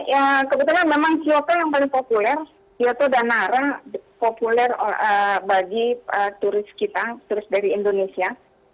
ya kebetulan memang kyoka yang paling populer yaitu danarang populer bagi turis kita turis dari indonesia